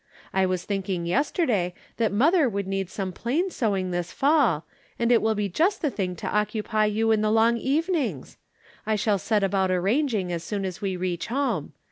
I was thinking yesterday that mother would need some plain sewing this fall, and it will be just the thing to occupy you in the long evenings. I shall set about arranging as soon as we reach home.